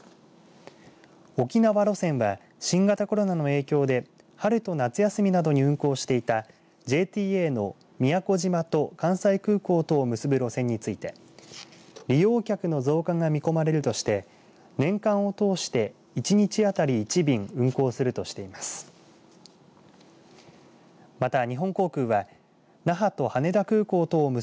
沖縄路線は新型コロナの影響で春と夏休みなどに運航していたＪＴＡの宮古島と関西空港とを結ぶ路線について利用客の増加が見込まれるとして年間を通して１日当たり１便運航するとしています。